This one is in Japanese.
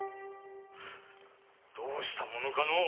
どうしたものかのう？